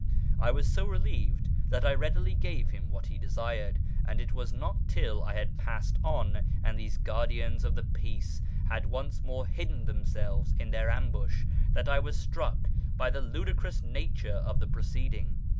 1 was so relieved that 1 readily gave him what he desired ; and it was not till I had passed on, and these guardians of the peace had once more hidden themselves in their ambush, that I was struck by the ludicrous nature of the proceeding.